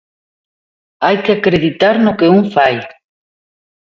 Hai que acreditar no que un fai.